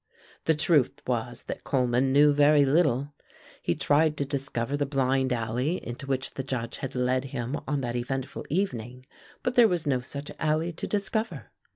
The truth was that Coleman knew very little. He tried to discover the blind alley into which the Judge had led him on that eventful evening, but there was no such alley to discover.